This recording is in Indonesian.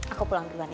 aku pulang ke rumah ya